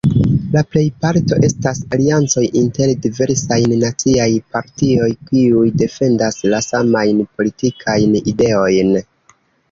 La plejparto estas aliancoj inter diversajn naciaj partioj, kiuj defendas la samajn politikajn ideojn.